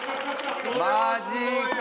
マジか！